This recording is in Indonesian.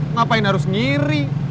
ngapain harus ngiri